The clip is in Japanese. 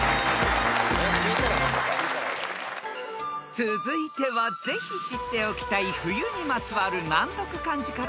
［続いてはぜひ知っておきたい冬にまつわる難読漢字から問題］